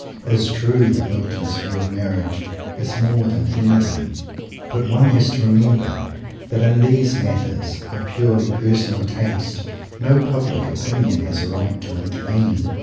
It is true that Milton's view of marriage is more than "heathen." But one has to remember that in these matters of purely personal taste no public opinion has right to intervene.